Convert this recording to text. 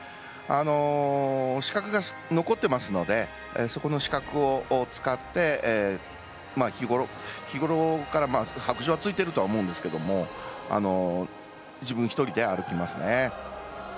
視覚が残ってますのでそこの視覚を使って日ごろからはくじょうはついてると思うんですけど自分１人で歩けます。